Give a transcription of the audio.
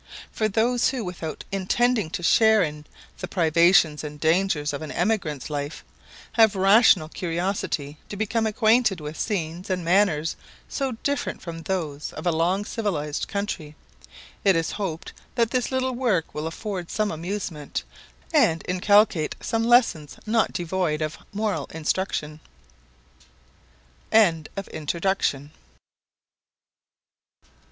For those who, without intending to share in the privations and dangers of an emigrant's life, have a rational curiosity to become acquainted with scenes and manners so different from those of a long civilized county, it is hoped that this little work will afford some amusement, and inculcate some lessons not devoid of moral instruction.